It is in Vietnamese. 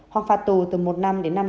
hoặc phạt tù từ một năm đến năm năm